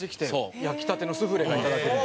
焼きたてのスフレがいただけるんです。